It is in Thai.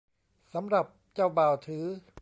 สำหรับเจ้าบ่าวถือ